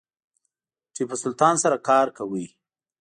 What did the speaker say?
ټیپو سلطان سره کار کاوه.